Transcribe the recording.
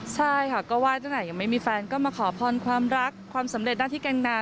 ใช่ค่ะก็ไหว้ตั้งแต่ยังไม่มีแฟนก็มาขอพรความรักความสำเร็จได้ที่แกงนา